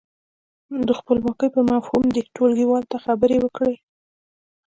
د خپلواکۍ پر مفهوم دې ټولګیوالو ته خبرې وکړي.